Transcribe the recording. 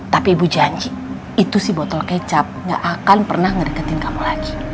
tapi ibu janji itu si botol kecap gak akan pernah ngedeketin kamu lagi